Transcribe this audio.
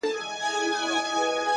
د نيمي شپې د خاموشۍ د فضا واړه ستـوري ـ